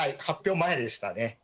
発表前でしたね。